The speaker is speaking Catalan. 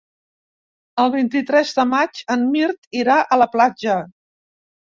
El vint-i-tres de maig en Mirt irà a la platja.